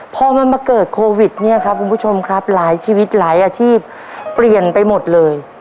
พอมันมาเกิดโควิดเนี่ยครับคุณผู้ชมครับหลายชีวิตหลายอาชีพเปลี่ยนไปหมดเลย